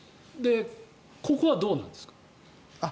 ここはどうなんですか。